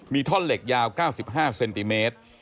มีท่อนเหล็กยาว๙๕เซนติเมตร